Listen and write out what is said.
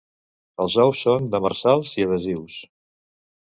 Els ous són demersals i adhesius.